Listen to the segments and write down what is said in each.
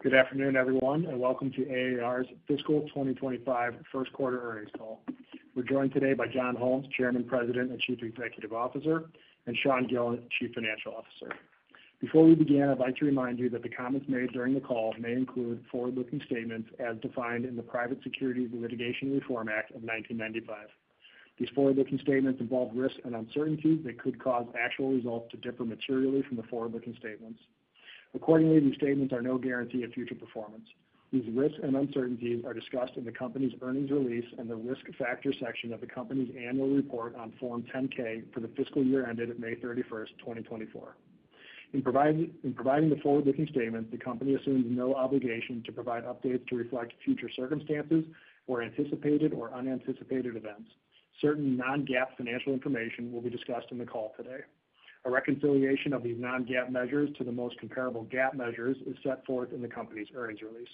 Good afternoon, everyone, and welcome to AAR's Fiscal 2025 First Quarter Earnings Call. We're joined today by John Holmes, Chairman, President, and Chief Executive Officer, and Sean Gillen, Chief Financial Officer. Before we begin, I'd like to remind you that the comments made during the call may include forward-looking statements as defined in the Private Securities Litigation Reform Act of 1995. These forward-looking statements involve risks and uncertainties that could cause actual results to differ materially from the forward-looking statements. Accordingly, these statements are no guarantee of future performance. These risks and uncertainties are discussed in the company's earnings release and the risk factors section of the company's annual report on Form 10-K for the fiscal year ended May 31st, 2024. In providing the forward-looking statement, the company assumes no obligation to provide updates to reflect future circumstances or anticipated or unanticipated events. Certain non-GAAP financial information will be discussed in the call today. A reconciliation of these non-GAAP measures to the most comparable GAAP measures is set forth in the company's earnings release.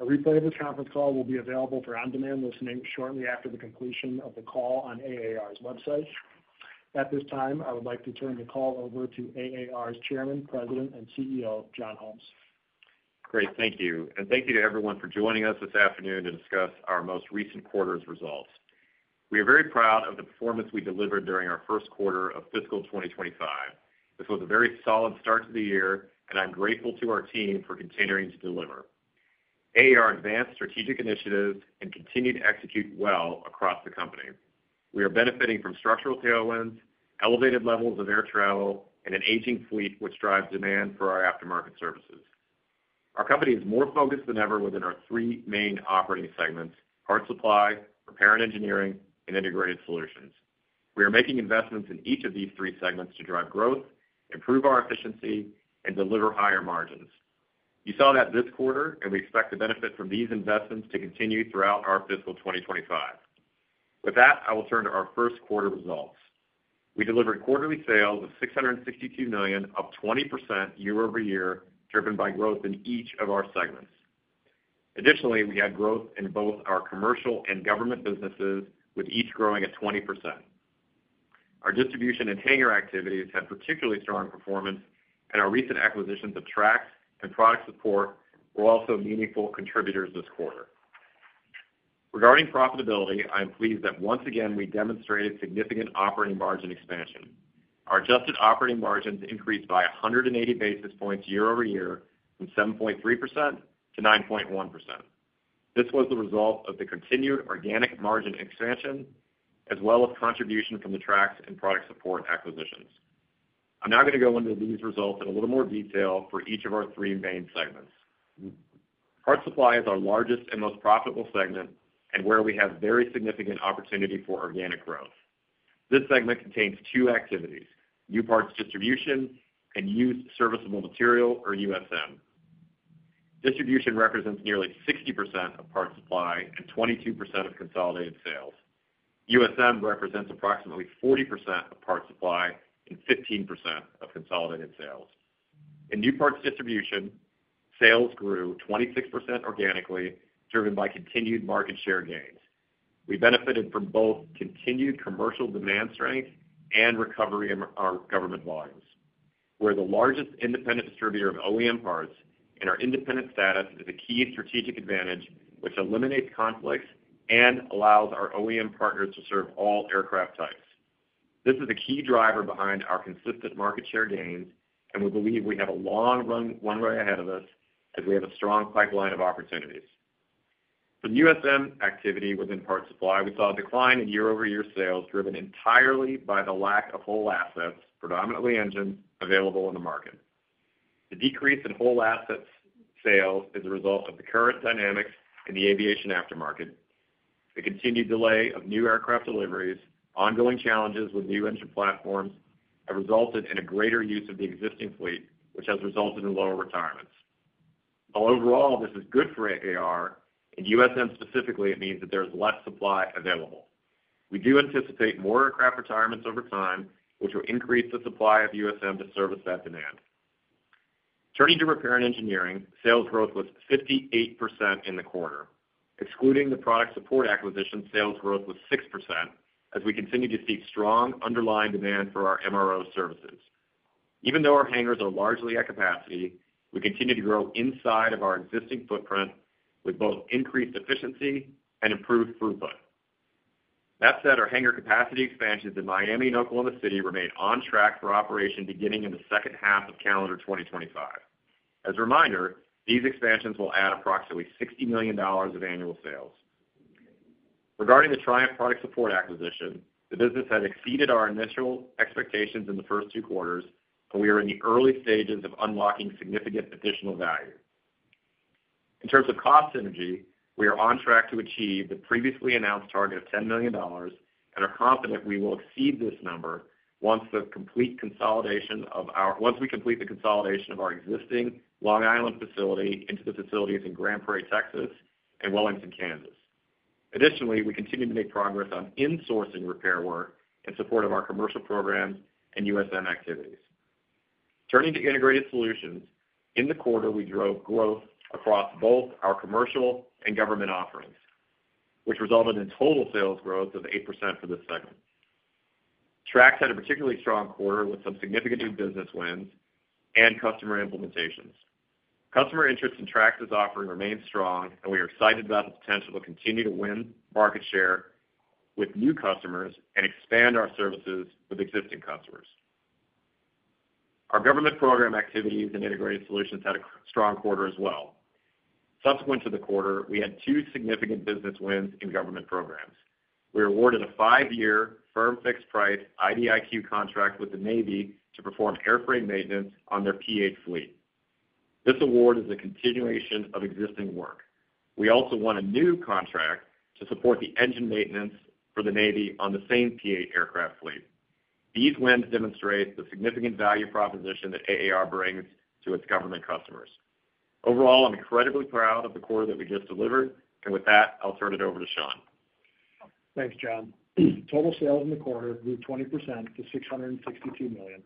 A replay of this conference call will be available for on-demand listening shortly after the completion of the call on AAR's website. At this time, I would like to turn the call over to AAR's Chairman, President, and CEO, John Holmes. Great, thank you. And thank you to everyone for joining us this afternoon to discuss our most recent quarter's results. We are very proud of the performance we delivered during our first quarter of fiscal 2025. This was a very solid start to the year, and I'm grateful to our team for continuing to deliver. AAR advanced strategic initiatives and continued to execute well across the company. We are benefiting from structural tailwinds, elevated levels of air travel, and an aging fleet, which drives demand for our aftermarket services. Our company is more focused than ever within our three main operating segments: Parts Supply, Repair & Engineering, and Integrated Solutions. We are making investments in each of these three segments to drive growth, improve our efficiency, and deliver higher margins. You saw that this quarter, and we expect the benefit from these investments to continue throughout our fiscal 2025. With that, I will turn to our first quarter results. We delivered quarterly sales of $662 million, up 20% year-over-year, driven by growth in each of our segments. Additionally, we had growth in both our commercial and government businesses, with each growing at 20%. Our distribution and hangar activities had particularly strong performance, and our recent acquisitions of Trax and Product Support were also meaningful contributors this quarter. Regarding profitability, I am pleased that once again, we demonstrated significant operating margin expansion. Our adjusted operating margins increased by 180 basis points year-over-year from 7.3%- 9.1%. This was the result of the continued organic margin expansion, as well as contribution from the Trax and Product Support acquisitions. I'm now going to go into these results in a little more detail for each of our three main segments. Parts Supply is our largest and most profitable segment, and where we have very significant opportunity for organic growth. This segment contains two activities: new parts distribution and Used Serviceable Material, or USM. Distribution represents nearly 60% of Parts Supply and 22% of consolidated sales. USM represents approximately 40% of Parts Supply and 15% of consolidated sales. In new parts distribution, sales grew 26% organically, driven by continued market share gains. We benefited from both continued commercial demand strength and recovery in our government volumes. We're the largest independent distributor of OEM parts, and our independent status is a key strategic advantage, which eliminates conflicts and allows our OEM partners to serve all aircraft types. This is a key driver behind our consistent market share gains, and we believe we have a long runway ahead of us as we have a strong pipeline of opportunities. For USM activity within Parts Supply, we saw a decline in year-over-year sales, driven entirely by the lack of whole assets, predominantly engines, available in the market. The decrease in whole assets sales is a result of the current dynamics in the aviation aftermarket. The continued delay of new aircraft deliveries, ongoing challenges with new engine platforms, have resulted in a greater use of the existing fleet, which has resulted in lower retirements. While overall, this is good for AAR, in USM specifically, it means that there's less supply available. We do anticipate more aircraft retirements over time, which will increase the supply of USM to service that demand. Turning to Repair & Engineering, sales growth was 58% in the quarter. Excluding the Product Support acquisition, sales growth was 6%, as we continue to see strong underlying demand for our MRO services. Even though our hangars are largely at capacity, we continue to grow inside of our existing footprint with both increased efficiency and improved throughput. That said, our hangar capacity expansions in Miami and Oklahoma City remain on track for operation beginning in the second half of calendar 2025. As a reminder, these expansions will add approximately $60 million of annual sales. Regarding the Triumph Product Support acquisition, the business has exceeded our initial expectations in the first two quarters, and we are in the early stages of unlocking significant additional value. In terms of cost synergy, we are on track to achieve the previously announced target of $10 million and are confident we will exceed this number once we complete the consolidation of our existing Long Island facility into the facilities in Grand Prairie, Texas, and Wellington, Kansas. Additionally, we continue to make progress on insourcing repair work in support of our commercial programs and USM activities. Turning to Integrated Solutions, in the quarter, we drove growth across both our commercial and government offerings, which resulted in total sales growth of 8% for this segment. Trax had a particularly strong quarter with some significant new business wins and customer implementations. Customer interest in Trax's offering remains strong, and we are excited about the potential to continue to win market share with new customers and expand our services with existing customers. Our government program activities and Integrated Solutions had a strong quarter as well. Subsequent to the quarter, we had two significant business wins in government programs. We were awarded a five-year firm fixed price IDIQ contract with the Navy to perform airframe maintenance on their P-8 fleet. This award is a continuation of existing work. We also won a new contract to support the engine maintenance for the Navy on the same P-8 aircraft fleet. These wins demonstrate the significant value proposition that AAR brings to its government customers. Overall, I'm incredibly proud of the quarter that we just delivered, and with that, I'll turn it over to Sean. Thanks, John. Total sales in the quarter grew 20% to $662 million.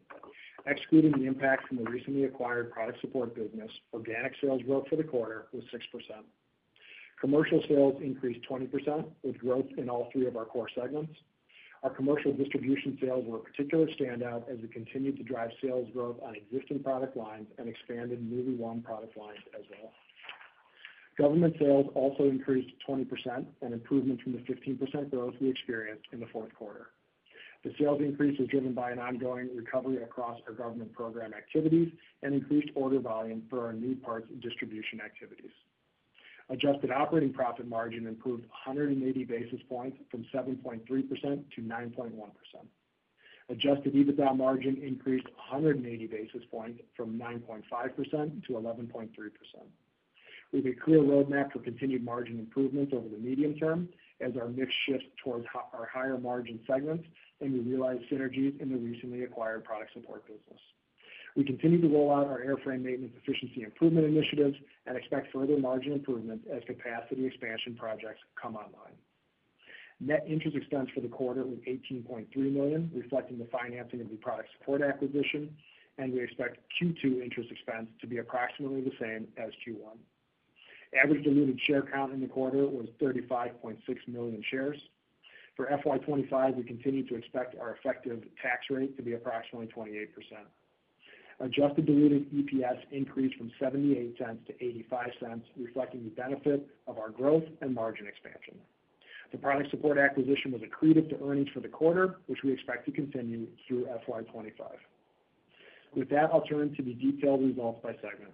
Excluding the impact from the recently acquired Product Support business, organic sales growth for the quarter was 6%. Commercial sales increased 20%, with growth in all three of our core segments. Our commercial distribution sales were a particular standout as we continued to drive sales growth on existing product lines and expanded newly won product lines as well. Government sales also increased 20%, an improvement from the 15% growth we experienced in the fourth quarter. The sales increase was driven by an ongoing recovery across our government program activities and increased order volume for our new parts and distribution activities. Adjusted operating profit margin improved 180 basis points from 7.3%-9.1%. Adjusted EBITDA margin increased 180 basis points from 9.5%-11.3%. We have a clear roadmap for continued margin improvements over the medium term as our mix shifts towards our higher margin segments, and we realize synergies in the recently acquired Product Support business. We continue to roll out our airframe maintenance efficiency improvement initiatives and expect further margin improvement as capacity expansion projects come online. Net interest expense for the quarter was $18.3 million, reflecting the financing of the Product Support acquisition, and we expect Q2 interest expense to be approximately the same as Q1. Average diluted share count in the quarter was 35.6 million shares. For FY 2025, we continue to expect our effective tax rate to be approximately 28%. Adjusted diluted EPS increased from $0.78-$0.85, reflecting the benefit of our growth and margin expansion. The Product Support acquisition was accretive to earnings for the quarter, which we expect to continue through FY 2025. With that, I'll turn to the detailed results by segment.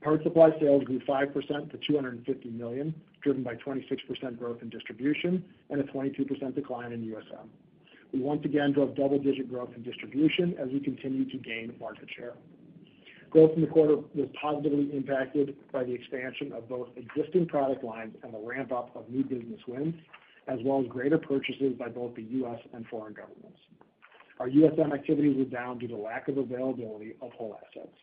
Parts Supply sales grew 5% to $250 million, driven by 26% growth in distribution and a 22% decline in USM. We once again drove double-digit growth in distribution as we continued to gain market share. Growth in the quarter was positively impacted by the expansion of both existing product lines and the ramp-up of new business wins, as well as greater purchases by both the U.S. and foreign governments. Our USM activities were down due to lack of availability of whole assets.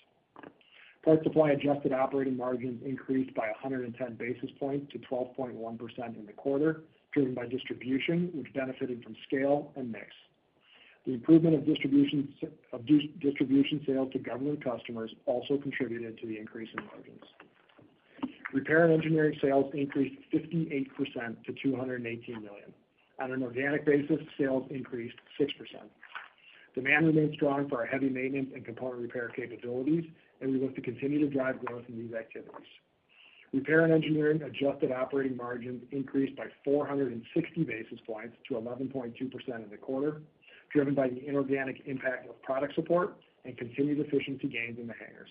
Parts Supply adjusted operating margins increased by 110 basis points to 12.1% in the quarter, driven by distribution, which benefited from scale and mix. The improvement of distribution sales to government customers also contributed to the increase in margins. Repair & Engineering sales increased 58% to $218 million. On an organic basis, sales increased 6%. Demand remains strong for our heavy maintenance and component repair capabilities, and we look to continue to drive growth in these activities. Repair & Engineering adjusted operating margins increased by 460 basis points to 11.2% in the quarter, driven by the inorganic impact of Product Support and continued efficiency gains in the hangars.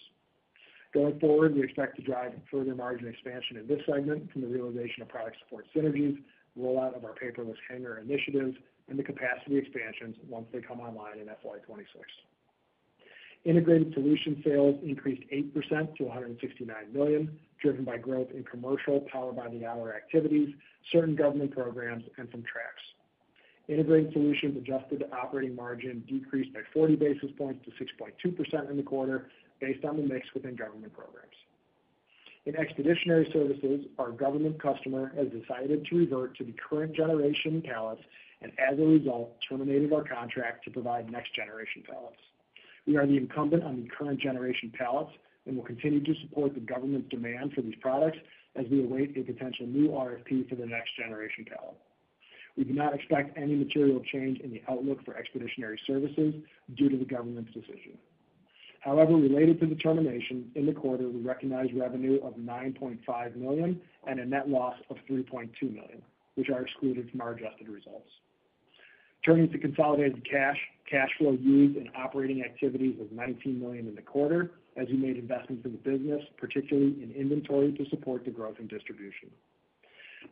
Going forward, we expect to drive further margin expansion in this segment from the realization of Product Support synergies, rollout of our paperless hangar initiatives, and the capacity expansions once they come online in FY 2026. Integrated Solutions sales increased 8% to $169 million, driven by growth in commercial, Power-by-the-Hour activities, certain government programs, and some Trax. Integrated Solutions adjusted operating margin decreased by 40 basis points to 6.2% in the quarter, based on the mix within government programs. In Expeditionary Services, our government customer has decided to revert to the current generation pallets, and as a result, terminated our contract to provide next generation pallets. We are the incumbent on the current generation pallets and will continue to support the government's demand for these products as we await a potential new RFP for the next generation pallet. We do not expect any material change in the outlook for Expeditionary Services due to the government's decision. However, related to the termination, in the quarter, we recognized revenue of $9.5 million and a net loss of $3.2 million, which are excluded from our adjusted results. Turning to consolidated cash, cash flow used in operating activities was $19 million in the quarter as we made investments in the business, particularly in inventory to support the growth in distribution.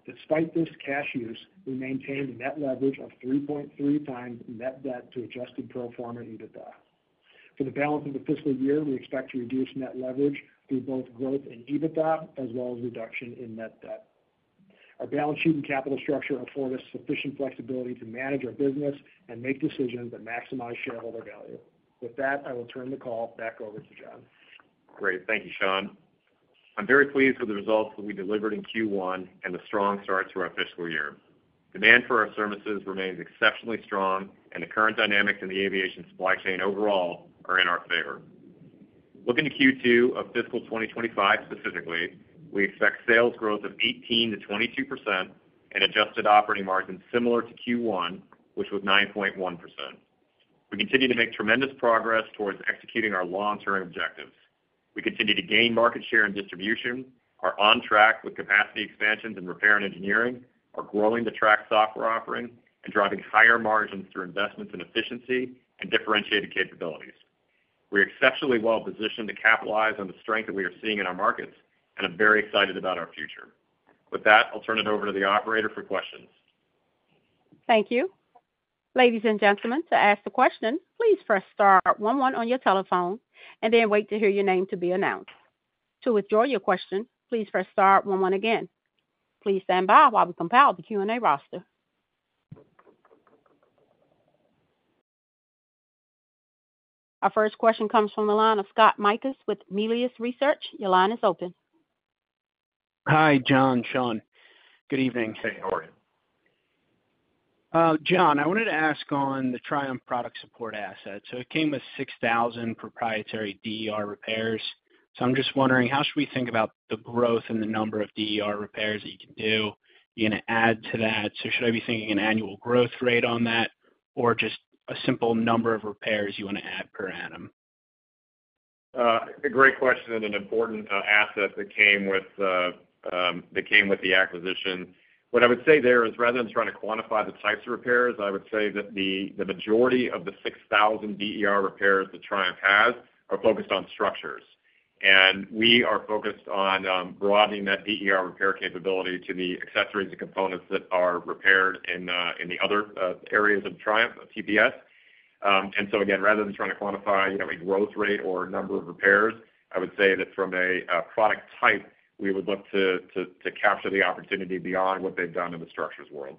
Despite this cash use, we maintained net leverage of 3.3x net debt to adjusted pro forma EBITDA. For the balance of the fiscal year, we expect to reduce net leverage through both growth and EBITDA, as well as reduction in net debt. Our balance sheet and capital structure afford us sufficient flexibility to manage our business and make decisions that maximize shareholder value. With that, I will turn the call back over to John. Great. Thank you, Sean. I'm very pleased with the results that we delivered in Q1 and the strong start to our fiscal year. Demand for our services remains exceptionally strong, and the current dynamics in the aviation supply chain overall are in our favor. Looking to Q2 of fiscal 2025, specifically, we expect sales growth of 18%-22% and adjusted operating margin similar to Q1, which was 9.1%. We continue to make tremendous progress towards executing our long-term objectives. We continue to gain market share and distribution, are on track with capacity expansions in Repair & Engineering, are growing the Trax software offering, and driving higher margins through investments in efficiency and differentiated capabilities. We're exceptionally well positioned to capitalize on the strength that we are seeing in our markets and are very excited about our future. With that, I'll turn it over to the operator for questions. Thank you. Ladies and gentlemen, to ask a question, please press star one one on your telephone and then wait to hear your name to be announced. To withdraw your question, please press star one one again. Please stand by while we compile the Q&A roster. Our first question comes from the line of Scott Mikus with Melius Research. Your line is open. Hi, John, Sean. Good evening. Hey, how are you? John, I wanted to ask on the Triumph Product Support asset. So it came with 6,000 proprietary DER repairs. So I'm just wondering, how should we think about the growth in the number of DER repairs that you can do? You gonna add to that? So should I be thinking an annual growth rate on that, or just a simple number of repairs you want to add per annum? A great question and an important asset that came with the acquisition. What I would say there is, rather than trying to quantify the types of repairs, I would say that the majority of the 6,000 DER repairs that Triumph has are focused on structures and we are focused on broadening that DER repair capability to the accessories and components that are repaired in the other areas of Triumph, TPS and so again, rather than trying to quantify, you know, a growth rate or number of repairs, I would say that from a product type, we would look to capture the opportunity beyond what they've done in the structures world.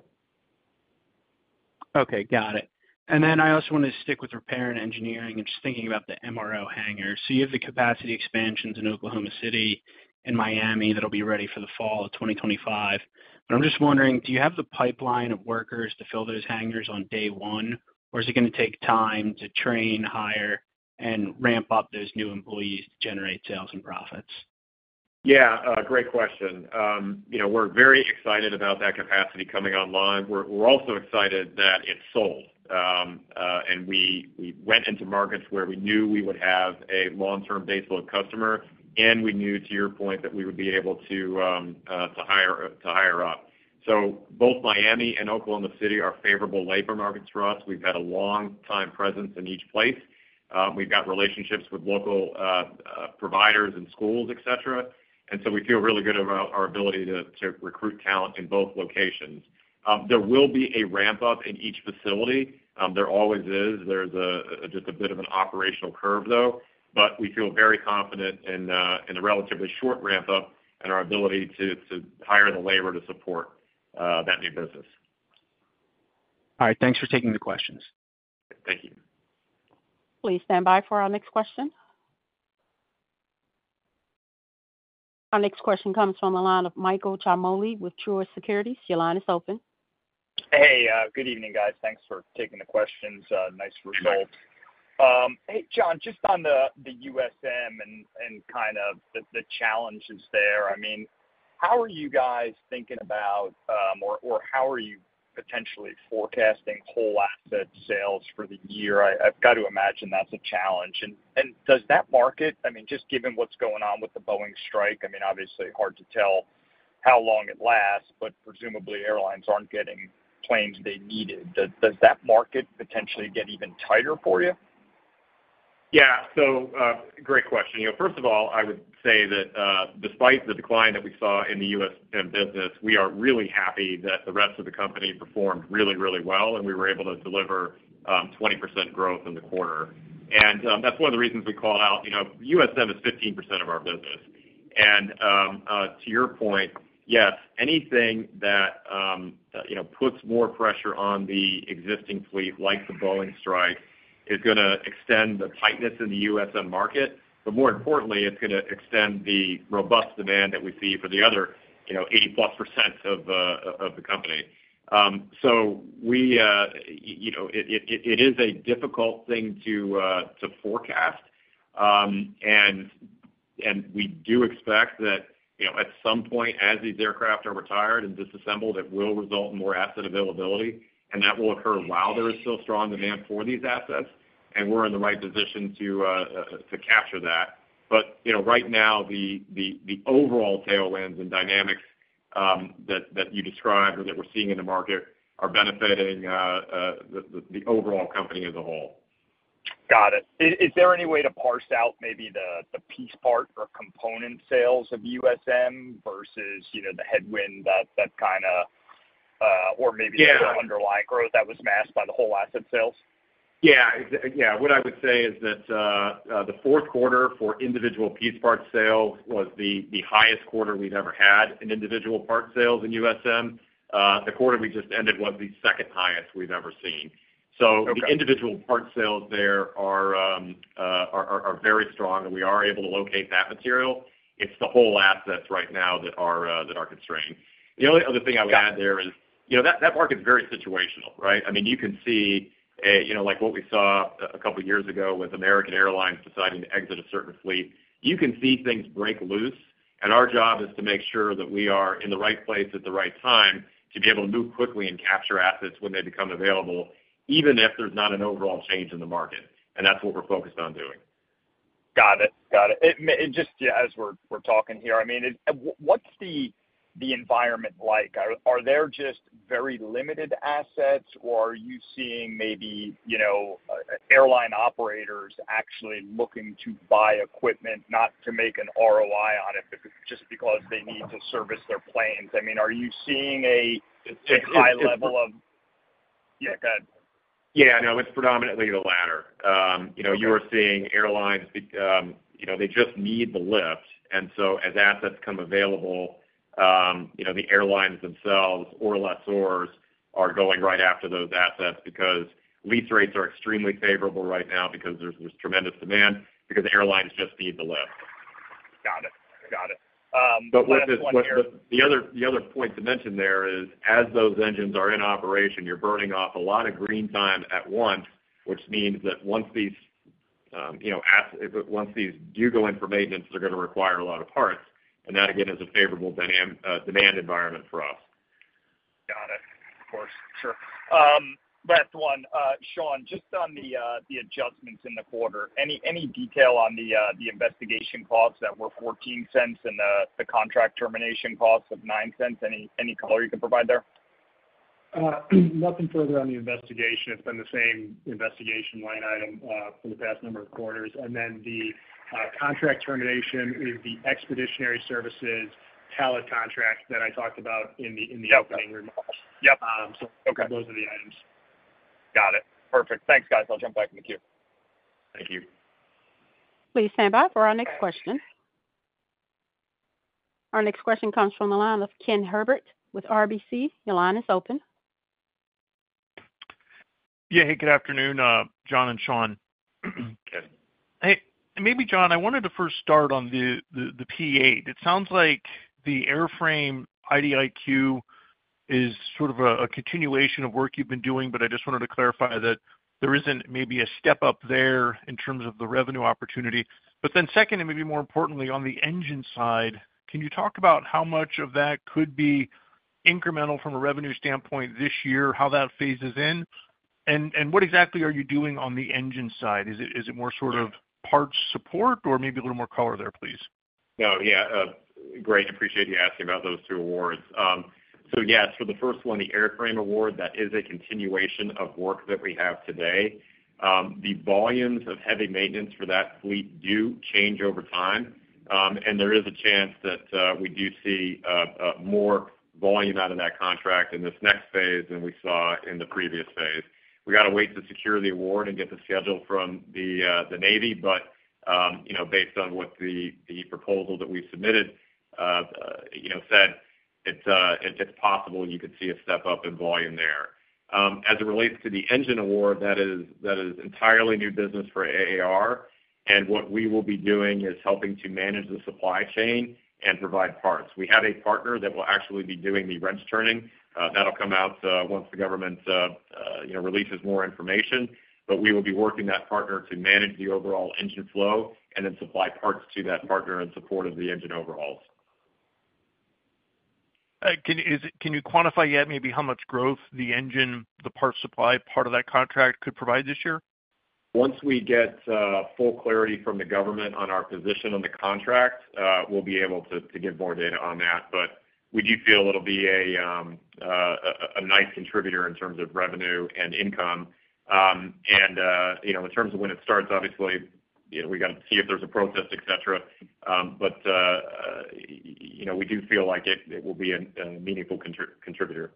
Okay, got it. And then I also want to stick with Repair & Engineering and just thinking about the MRO hangar. So you have the capacity expansions in Oklahoma City and Miami that'll be ready for the fall of 2025. But I'm just wondering, do you have the pipeline of workers to fill those hangars on day one? Or is it gonna take time to train, hire, and ramp up those new employees to generate sales and profits? Yeah, a great question. You know, we're very excited about that capacity coming online. We're also excited that it's sold. And we went into markets where we knew we would have a long-term baseload customer, and we knew, to your point, that we would be able to hire up. So both Miami and Oklahoma City are favorable labor markets for us. We've had a long time presence in each place. We've got relationships with local providers and schools, et cetera. And so we feel really good about our ability to recruit talent in both locations. There will be a ramp-up in each facility. There always is. There's just a bit of an operational curve, though, but we feel very confident in a relatively short ramp-up and our ability to hire the labor to support that new business. All right. Thanks for taking the questions. Thank you. Please stand by for our next question. Our next question comes from the line of Michael Ciarmoli with Truist Securities. Your line is open. Hey, good evening, guys. Thanks for taking the questions. Nice results. Sure. Hey, John, just on the USM and kind of the challenges there, I mean, how are you guys thinking about, or how are you potentially forecasting whole asset sales for the year? I've got to imagine that's a challenge. And does that market, I mean, just given what's going on with the Boeing strike, I mean, obviously hard to tell how long it lasts, but presumably airlines aren't getting planes they needed. Does that market potentially get even tighter for you? Yeah. So, great question. You know, first of all, I would say that, despite the decline that we saw in the USM business, we are really happy that the rest of the company performed really, really well, and we were able to deliver, 20% growth in the quarter. And, that's one of the reasons we called out. You know, USM is 15% of our business. And, to your point, yes, anything that, you know, puts more pressure on the existing fleet, like the Boeing strike, is gonna extend the tightness in the USM market, but more importantly, it's gonna extend the robust demand that we see for the other, you know, 80%+ of the company. So we, you know, it is a difficult thing to forecast. We do expect that, you know, at some point, as these aircraft are retired and disassembled, it will result in more asset availability, and that will occur while there is still strong demand for these assets, and we're in the right position to capture that, but you know, right now, the overall tailwinds and dynamics that you described or that we're seeing in the market are benefiting the overall company as a whole. Got it. Is there any way to parse out maybe the piece part or component sales of USM versus, you know, the headwind that kinda Yeah. Or maybe the underlying growth that was masked by the whole asset sales? Yeah. Yeah, what I would say is that the fourth quarter for individual piece parts sales was the highest quarter we've ever had in individual parts sales in USM. The quarter we just ended was the second highest we've ever seen. Okay. So the individual parts sales there are very strong, and we are able to locate that material. It's the whole assets right now that are constrained. The only other thing I would add there is, you know, that market is very situational, right? I mean, you can see you know, like what we saw a couple of years ago with American Airlines deciding to exit a certain fleet. You can see things break loose. And our job is to make sure that we are in the right place at the right time to be able to move quickly and capture assets when they become available, even if there's not an overall change in the market. And that's what we're focused on doing. Got it. It just, as we're talking here, I mean, what's the environment like? Are there just very limited assets, or are you seeing maybe, you know, airline operators actually looking to buy equipment, not to make an ROI on it, but just because they need to service their planes? I mean, are you seeing a high level of- It, it- Yeah, go ahead. Yeah, no, it's predominantly the latter. You know- Okay. You are seeing airlines, you know, they just need the lift. And so as assets come available, you know, the airlines themselves or lessors are going right after those assets because lease rates are extremely favorable right now, because there's this tremendous demand, because the airlines just need the lift. Got it. Got it. Last one here- But the other point to mention there is, as those engines are in operation, you're burning off a lot of green time at once, which means that, you know, once these do go in for maintenance, they're going to require a lot of parts, and that, again, is a favorable dynamic demand environment for us. Got it. Of course, sure. Last one, Sean, just on the adjustments in the quarter, any detail on the investigation costs that were $0.14 and the contract termination costs of $0.09? Any color you can provide there? Nothing further on the investigation. It's been the same investigation line item for the past number of quarters. And then the contract termination is the next generation pallets contract that I talked about in the opening remarks. Yep. Okay. So those are the items. Got it. Perfect. Thanks, guys. I'll jump back in the queue. Thank you. Please stand by for our next question. Our next question comes from the line of Ken Herbert with RBC. Your line is open. Yeah, hey, good afternoon, John and Sean. Hey, maybe John, I wanted to first start on the P-8. It sounds like the airframe IDIQ is sort of a continuation of work you've been doing, but I just wanted to clarify that there isn't maybe a step up there in terms of the revenue opportunity. But then second, and maybe more importantly, on the engine side, can you talk about how much of that could be incremental from a revenue standpoint this year, how that phases in? And what exactly are you doing on the engine side? Is it more sort of parts support or maybe a little more color there, please? No, yeah. Great, appreciate you asking about those two awards. So yes, for the first one, the airframe award, that is a continuation of work that we have today. The volumes of heavy maintenance for that fleet do change over time, and there is a chance that we do see more volume out of that contract in this next phase than we saw in the previous phase. We got to wait to secure the award and get the schedule from the Navy, but you know, based on what the proposal that we submitted, you know, said, it's possible you could see a step up in volume there. As it relates to the engine award, that is entirely new business for AAR, and what we will be doing is helping to manage the supply chain and provide parts. We have a partner that will actually be doing the wrench turning. That'll come out, you know, once the government releases more information, but we will be working that partner to manage the overall engine flow and then supply parts to that partner in support of the engine overhauls. Can you quantify yet maybe how much growth the engine, the Parts Supply part of that contract could provide this year? Once we get full clarity from the government on our position on the contract, we'll be able to give more data on that. But we do feel it'll be a nice contributor in terms of revenue and income. You know, in terms of when it starts, obviously, you know, we got to see if there's a protest, et cetera. You know, we do feel like it will be a meaningful contributor.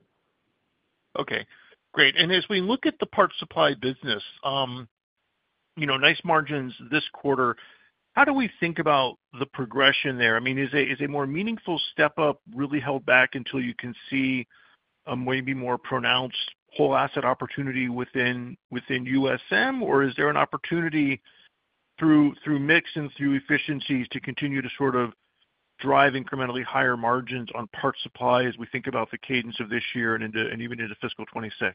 Okay, great. And as we look at the Parts Supply business, you know, nice margins this quarter, how do we think about the progression there? I mean, is a more meaningful step up really held back until you can see a maybe more pronounced whole asset opportunity within USM? Or is there an opportunity through mix and through efficiencies to continue to sort of drive incrementally higher margins on Parts Supply as we think about the cadence of this year and into, and even into fiscal 2026?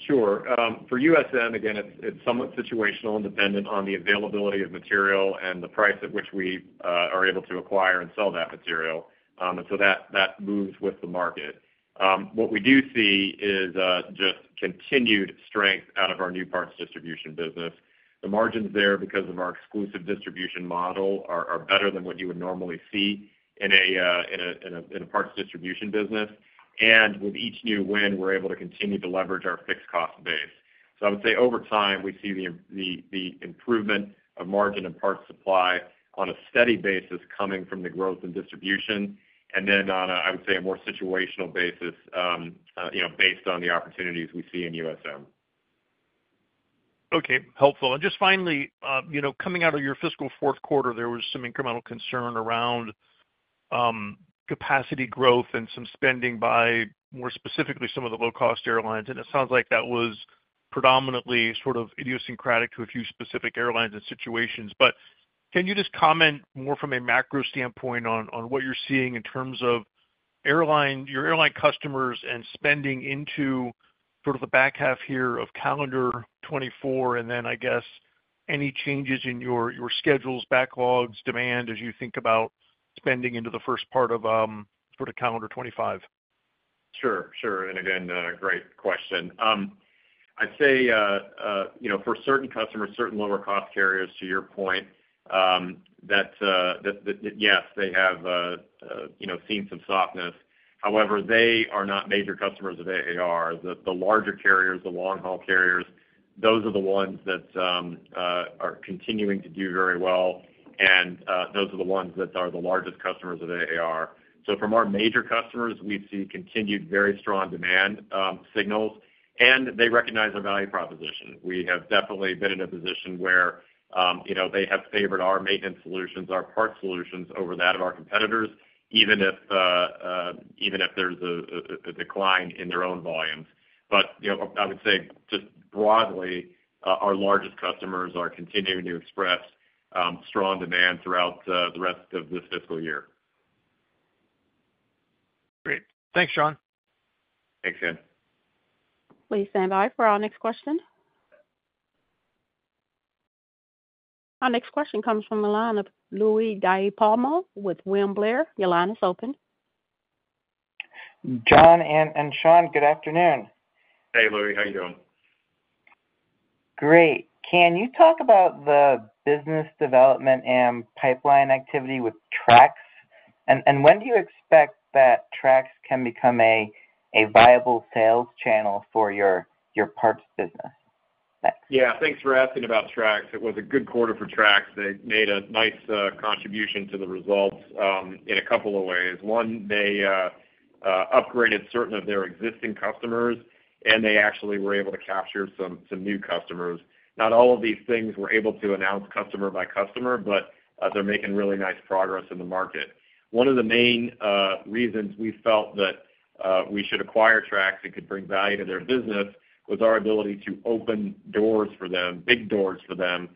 Sure. For USM, again, it's somewhat situational and dependent on the availability of material and the price at which we are able to acquire and sell that material. And so that moves with the market. What we do see is just continued strength out of our new parts distribution business. The margins there, because of our exclusive distribution model, are better than what you would normally see in a parts distribution business. And with each new win, we're able to continue to leverage our fixed cost base. So I would say over time, we see the improvement of margin and Parts Supply on a steady basis coming from the growth and distribution, and then on a, I would say, a more situational basis, you know, based on the opportunities we see in USM. Okay, helpful. And just finally, you know, coming out of your fiscal fourth quarter, there was some incremental concern around capacity growth and some spending by, more specifically, some of the low-cost airlines, and it sounds like that was predominantly sort of idiosyncratic to a few specific airlines and situations. But can you just comment more from a macro standpoint on what you're seeing in terms of your airline customers and spending into sort of the back half here of calendar 2024, and then, I guess, any changes in your schedules, backlogs, demand as you think about spending into the first part of sort of calendar 2025? Sure, sure, and again, great question. I'd say, you know, for certain customers, certain lower cost carriers, to your point, that yes, they have, you know, seen some softness. However, they are not major customers of AAR. The larger carriers, the long-haul carriers, those are the ones that are continuing to do very well, and those are the ones that are the largest customers of AAR. So from our major customers, we see continued very strong demand signals, and they recognize our value proposition. We have definitely been in a position where, you know, they have favored our maintenance solutions, our parts solutions over that of our competitors, even if there's a decline in their own volumes. But, you know, I would say just broadly, our largest customers are continuing to express strong demand throughout the rest of this fiscal year. Great. Thanks, Sean. Thanks, Ken. Please stand by for our next question. Our next question comes from the line of Louie DiPalma with William Blair. Your line is open. John and Sean, good afternoon. Hey, Louie, how you doing? Great. Can you talk about the business development and pipeline activity with Trax? And when do you expect that Trax can become a viable sales channel for your parts business? Yeah, thanks for asking about Trax. It was a good quarter for Trax. They made a nice, contribution to the results, in a couple of ways. One, they upgraded certain of their existing customers, and they actually were able to capture some new customers. Not all of these things we're able to announce customer by customer, but, they're making really nice progress in the market. One of the main reasons we felt that we should acquire Trax and could bring value to their business, was our ability to open doors for them, big doors for them,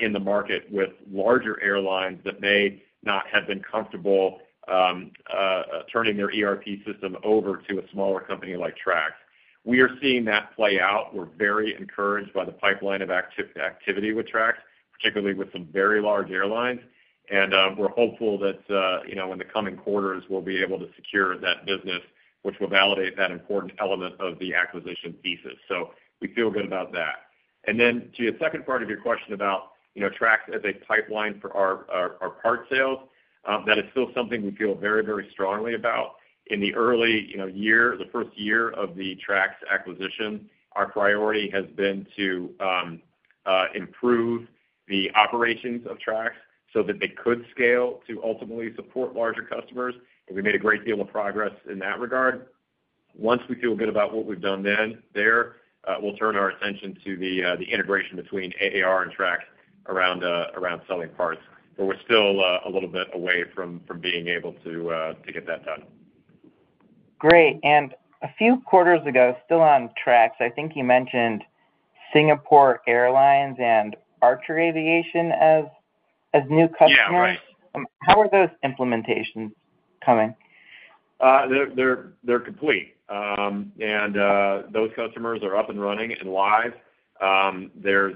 in the market with larger airlines that may not have been comfortable, turning their ERP system over to a smaller company like Trax. We are seeing that play out. We're very encouraged by the pipeline of activity with Trax, particularly with some very large airlines, and we're hopeful that, you know, in the coming quarters, we'll be able to secure that business, which will validate that important element of the acquisition thesis, so we feel good about that, and then to the second part of your question about, you know, Trax as a pipeline for our, our, our parts sales, that is still something we feel very, very strongly about. In the early, you know, year, the first year of the Trax acquisition, our priority has been to improve the operations of Trax so that they could scale to ultimately support larger customers, and we made a great deal of progress in that regard. Once we feel good about what we've done, then we'll turn our attention to the integration between AAR and Trax around selling parts. But we're still a little bit away from being able to get that done. Great. And a few quarters ago, still on Trax, I think you mentioned Singapore Airlines and Archer Aviation as new customers. Yeah, right. How are those implementations coming? They're complete. And those customers are up and running and live. There's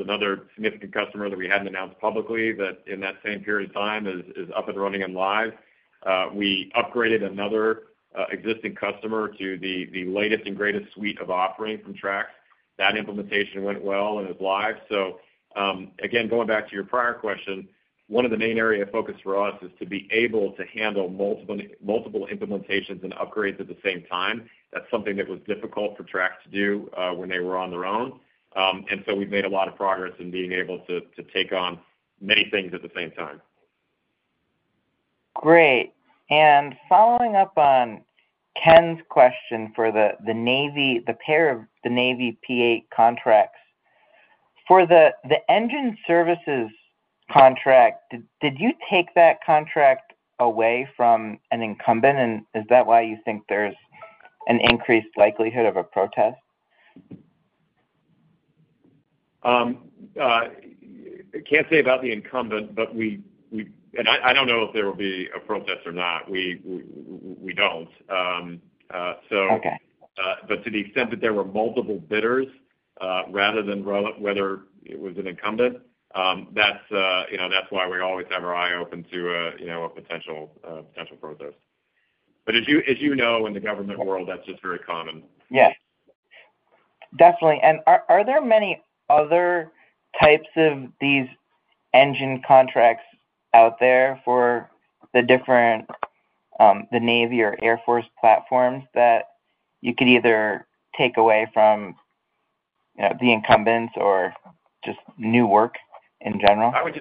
another significant customer that we hadn't announced publicly, that in that same period of time is up and running and live. We upgraded another existing customer to the latest and greatest suite of offerings from Trax. That implementation went well and is live. Again, going back to your prior question, one of the main area of focus for us is to be able to handle multiple implementations and upgrades at the same time. That's something that was difficult for Trax to do when they were on their own. We've made a lot of progress in being able to take on many things at the same time. Great. And following up on Ken's question for the Navy, the pair of the Navy P-8 contracts. For the engine services contract, did you take that contract away from an incumbent, and is that why you think there's an increased likelihood of a protest? I can't say about the incumbent, but we and I don't know if there will be a protest or not. We don't. Okay. But to the extent that there were multiple bidders, rather than whether it was an incumbent, that's, you know, that's why we always have our eye open to a, you know, potential protest. But as you know, in the government world, that's just very common. Yes, definitely. And are there many other types of these engine contracts out there for the different, the Navy or Air Force platforms that you could either take away from, the incumbents or just new work in general? I would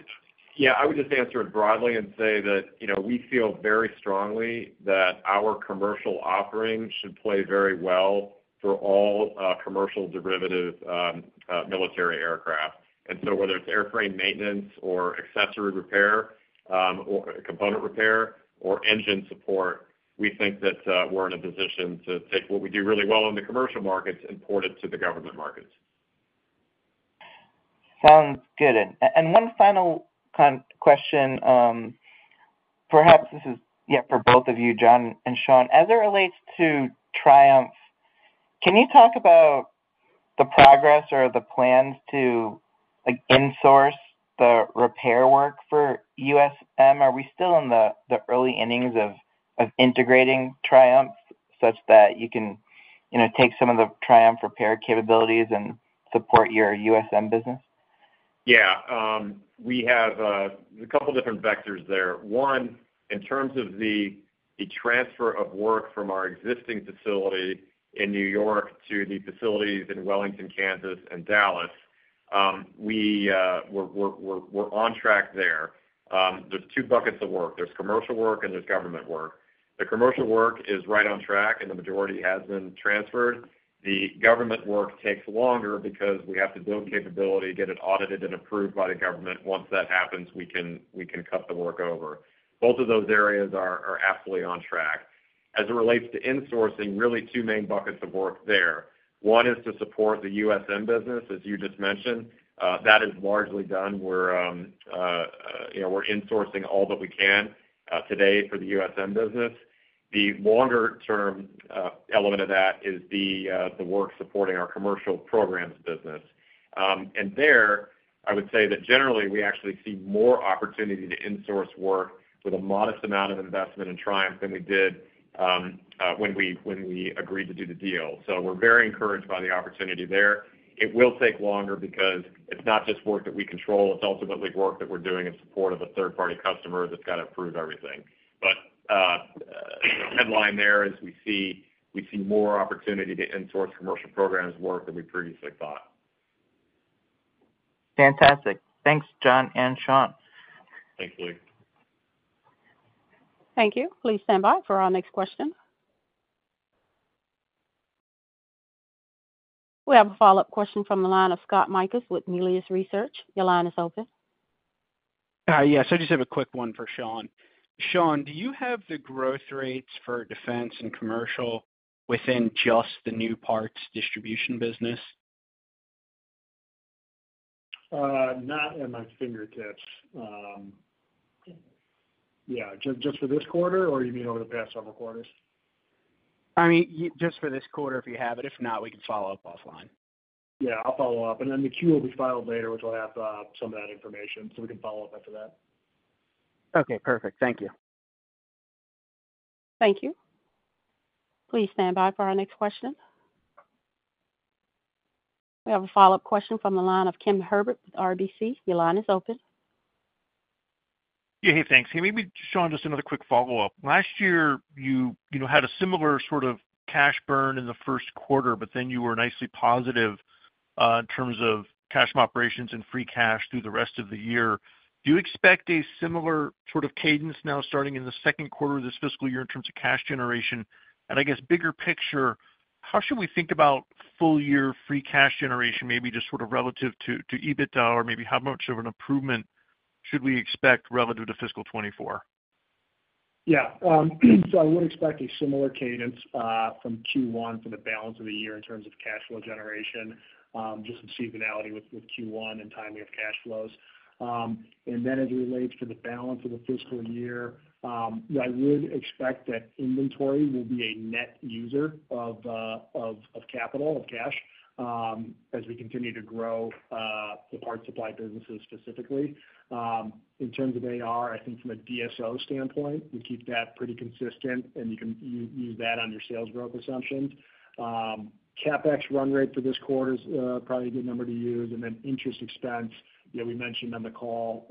just answer it broadly and say that, you know, we feel very strongly that our commercial offerings should play very well for all commercial derivative military aircraft, and so whether it's airframe maintenance or accessory repair, or component repair or engine support, we think that we're in a position to take what we do really well in the commercial markets and port it to the government markets.... Sounds good. And one final question, perhaps this is, yeah, for both of you, John and Sean. As it relates to Triumph, can you talk about the progress or the plans to, like, insource the repair work for USM? Are we still in the early innings of integrating Triumph, such that you can, you know, take some of the Triumph repair capabilities and support your USM business? Yeah, we have a couple different vectors there. One, in terms of the transfer of work from our existing facility in New York to the facilities in Wellington, Kansas and Dallas, we're on track there. There's two buckets of work: there's commercial work and there's government work. The commercial work is right on track, and the majority has been transferred. The government work takes longer because we have to build capability, get it audited and approved by the government. Once that happens, we can cut the work over. Both of those areas are absolutely on track. As it relates to insourcing, really two main buckets of work there. One is to support the USM business, as you just mentioned. That is largely done where, you know, we're insourcing all that we can, today for the USM business. The longer term element of that is the work supporting our commercial programs business, and there, I would say that generally, we actually see more opportunity to insource work with a modest amount of investment in Triumph than we did, when we agreed to do the deal, so we're very encouraged by the opportunity there. It will take longer because it's not just work that we control, it's ultimately work that we're doing in support of a third-party customer that's got to approve everything, but the headline there is we see more opportunity to insource commercial programs work than we previously thought. Fantastic! Thanks, John and Sean. Thanks, Louie. Thank you. Please stand by for our next question. We have a follow-up question from the line of Scott Mikus with Melius Research. Your line is open. Yes, I just have a quick one for Sean. Sean, do you have the growth rates for defense and commercial within just the new parts distribution business? Not at my fingertips. Yeah, just for this quarter, or you mean over the past several quarters? I mean, just for this quarter, if you have it. If not, we can follow up offline. Yeah, I'll follow up, and then the 10-Q will be filed later, which will have some of that information, so we can follow up after that. Okay, perfect. Thank you. Thank you. Please stand by for our next question. We have a follow-up question from the line of Ken Herbert with RBC. Your line is open. Yeah, hey, thanks. Hey, maybe, Sean, just another quick follow-up. Last year, you, you know, had a similar sort of cash burn in the first quarter, but then you were nicely positive in terms of cash from operations and free cash through the rest of the year. Do you expect a similar sort of cadence now, starting in the second quarter of this fiscal year in terms of cash generation? And I guess, bigger picture, how should we think about full year free cash generation, maybe just sort of relative to EBITDA, or maybe how much of an improvement should we expect relative to fiscal 2024? Yeah, so I would expect a similar cadence from Q1 for the balance of the year in terms of cash flow generation, just some seasonality with Q1 and timing of cash flows. And then as it relates to the balance of the fiscal year, I would expect that inventory will be a net user of capital, of cash, as we continue to grow the Parts Supply businesses specifically. In terms of AR, I think from a DSO standpoint, we keep that pretty consistent, and you can use that on your sales growth assumptions. CapEx run rate for this quarter is probably a good number to use, and then interest expense, yeah, we mentioned on the call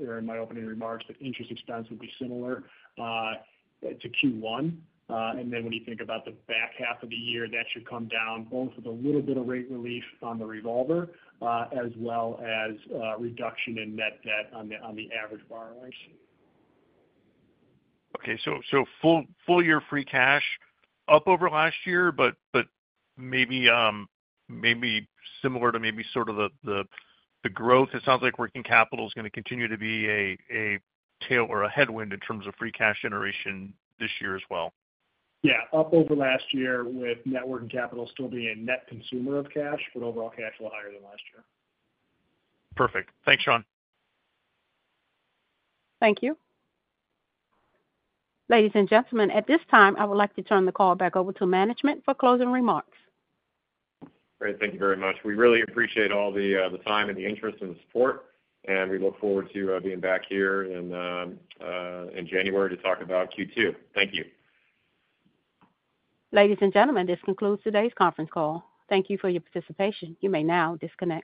or in my opening remarks, that interest expense would be similar to Q1. And then when you think about the back half of the year, that should come down, both with a little bit of rate relief on the revolver, as well as reduction in net debt on the average borrowings. Okay, so full year free cash up over last year, but maybe similar to sort of the growth. It sounds like working capital is gonna continue to be a tail or a headwind in terms of free cash generation this year as well. Yeah, up over last year, with net working capital still being a net consumer of cash, but overall cash flow higher than last year. Perfect. Thanks, Sean. Thank you. Ladies and gentlemen, at this time, I would like to turn the call back over to management for closing remarks. Great, thank you very much. We really appreciate all the time and the interest and support, and we look forward to being back here in January to talk about Q2. Thank you. Ladies and gentlemen, this concludes today's conference call. Thank you for your participation. You may now disconnect.